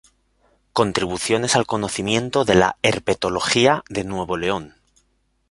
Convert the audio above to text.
Contribuciones al Conocimiento de la Herpetología de Nuevo León.